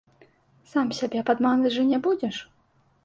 Сам сябе падманваць жа не будзеш.